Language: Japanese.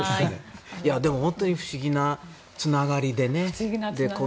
でも本当に不思議なつながりでね。